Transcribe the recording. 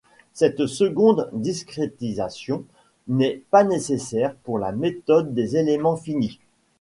Cette seconde discrétisation n'est pas nécessaire pour la méthode des éléments finis.